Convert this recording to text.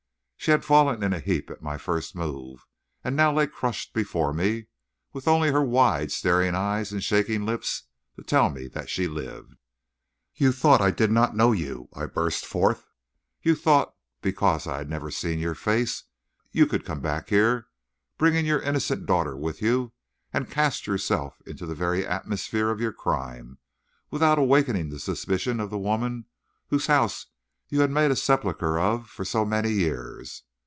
She had fallen in a heap at my first move, and now lay crushed before me, with only her wide staring eyes and shaking lips to tell me that she lived. "You thought I did not know you," I burst forth. "You thought, because I had never seen your face, you could come back here, bringing your innocent daughter with you, and cast yourself into the very atmosphere of your crime without awakening the suspicion of the woman whose house you had made a sepulcher of for so many years.